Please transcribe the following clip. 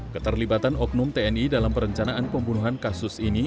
keterlibatan oknum tni dalam perencanaan pembunuhan kasus ini